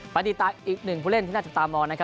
ปฏิติการอีกหนึ่งผู้เล่นที่นัดจับตามอวร์